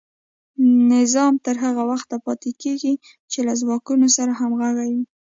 نظام تر هغه وخته پاتې کیږي چې له ځواکونو سره همغږی وي.